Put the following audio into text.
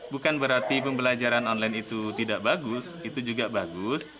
bukan berarti pembelajaran online itu tidak bagus itu juga bagus